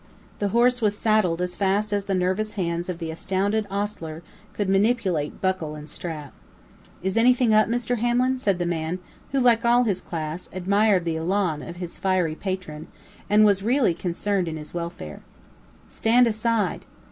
The horse was saddled as fast as the nervous hands of the astounded hostler could manipulate buckle and strap. "Is anything up, Mr. Hamlin?" said the man, who, like all his class, admired the elan of his fiery patron, and was really concerned in his welfare. "Stand aside!"